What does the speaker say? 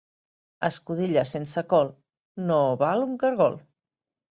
Escudella sense col no val un caragol.